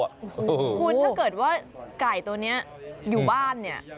คุณถ้าเกิดว่าไก่ตัวนี้อยู่บ้านเนี่ย